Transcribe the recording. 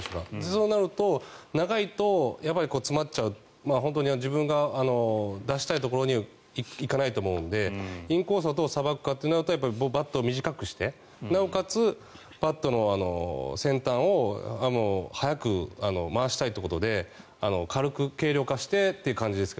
そうなると、長いとやっぱり詰まっちゃう本当に自分が出したいところに行かないと思うのでインコースをどうさばくかというとバットを短くしてなおかつ、バットの先端を速く回したいということで軽く、軽量化してという感じです。